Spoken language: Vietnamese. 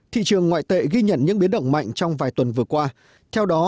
thị trường ngoại tệ ghi nhận những biến động mạnh trong vài tuần vừa qua theo đó